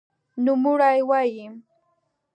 نوموړی وایي،